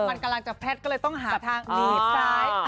มันกำลังจะแพทย์ก็เลยต้องหาทางหนีบซ้าย